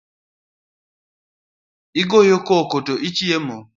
Igoyo koko to achiemo.